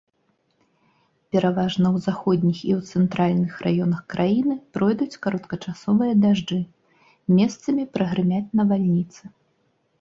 Пераважна ў заходніх і ў цэнтральных раёнах краіны пройдуць кароткачасовыя дажджы, месцамі прагрымяць навальніцы.